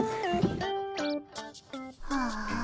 ああ。